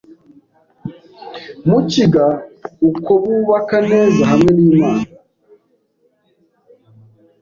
mukiga uko bubaka neza, hamwe n’Imana,